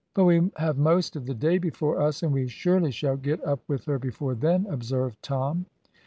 "But we have most of the day before us, and we surely shall get up with her before then," observed Tom.